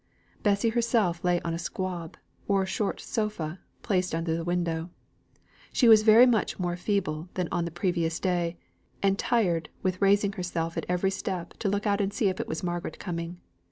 Bessy herself lay on a squab, or short sofa, placed under the window. She was very much more feeble than on the previous day, and tired with raising herself at every step to look out and see if it was Margaret coming.